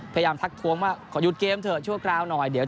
พยายามทักท้วงว่าขอหยุดเกมเถอะชั่วกลาวนาย